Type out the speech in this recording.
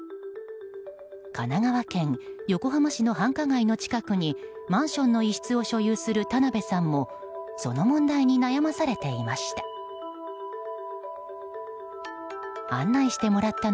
神奈川県横浜市の繁華街の近くにマンションの一室を所有する田邊さんもその問題に悩まされていました。